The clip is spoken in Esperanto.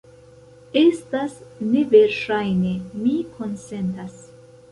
Estas neverŝajne; mi konsentas.